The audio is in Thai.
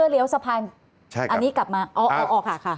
เลี้ยวสะพานอันนี้กลับมาเอาออกค่ะ